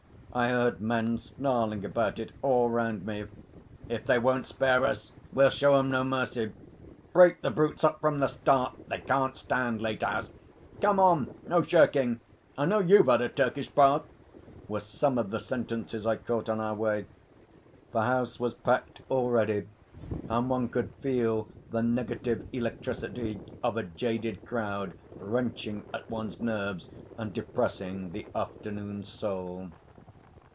I heard men snarling about it all round me. 'If they won't spare us, we'll show 'em no mercy,' 'Break the brutes up from the start. They can't stand late hours.' 'Come on! No shirking! I know you've had a Turkish bath,' were some of the sentences I caught on our way. The House was packed already, and one could feel the negative electricity of a jaded crowd wrenching at one's own nerves, and depressing the afternoon soul.